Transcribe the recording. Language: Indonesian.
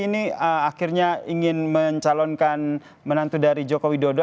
ini akhirnya ingin mencalonkan menantu dari joko widodo